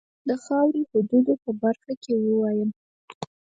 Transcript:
د خاوري حدودو په برخه کې ووایم.